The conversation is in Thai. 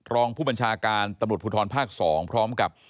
รองผู้บัญชาการตำรวจภูทรภาค๒พร้อมกับ